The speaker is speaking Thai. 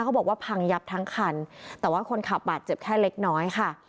บอกว่าพังยับทั้งคันแต่ว่าคนขับบาดเจ็บแค่เล็กน้อยค่ะ